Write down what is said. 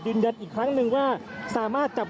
คุณภูริพัฒน์ครับ